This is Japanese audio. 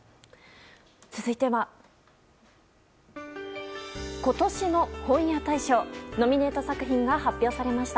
続いては今年の本屋大賞ノミネート作品が発表されました。